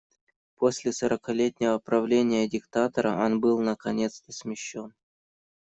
После сорокалетнего правления диктатора он был наконец-то смещён.